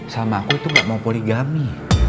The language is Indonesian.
salma aku itu gak mau poligami